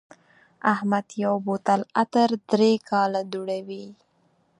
احمد یو بوتل عطر درې کاله دوړوي.